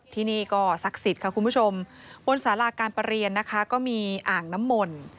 ที่นี่ก็ศักดิ์สิทธิ์ค่ะคุณผู้ชมบนสาราการประเรียนนะคะก็มีอ่างน้ำมนต์